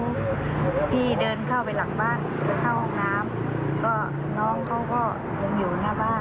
แล้วพอดีน้องเขาพี่เดินเข้าไปหลังบ้าน